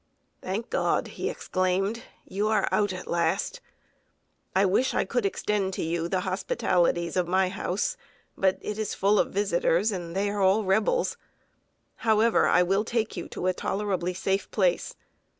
"Thank God!" he exclaimed, "you are out at last. I wish I could extend to you the hospitalities of my house; but it is full of visitors, and they are all Rebels. However, I will take you to a tolerably safe place.